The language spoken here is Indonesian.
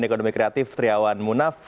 ekonomi kreatif triawan munaf